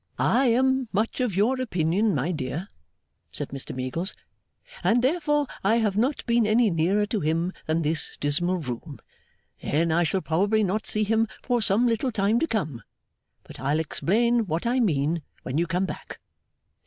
'I am much of your opinion, my dear,' said Mr Meagles, 'and therefore I have not been any nearer to him than this dismal room. Then I shall probably not see him for some little time to come. But I'll explain what I mean when you come back.